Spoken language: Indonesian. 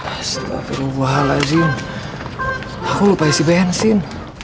astagfirullahaladzim aku lupa isi bensin